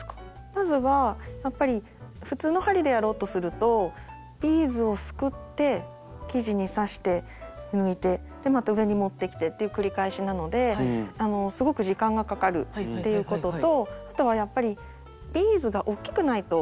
まずはやっぱり普通の針でやろうとするとビーズをすくって生地に刺して抜いてで上にまた持ってきてっていう繰り返しなのですごく時間がかかるっていうこととあとはやっぱりビーズがおっきくないとできないです。